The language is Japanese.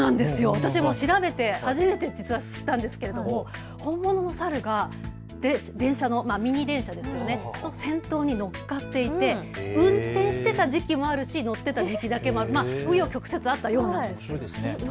私も調べて実は知ったんですけれども本物のサルがミニ電車の先頭に乗っかっていて運転していた時期もあるし乗っていた時期もあるしう余曲折あったそうです。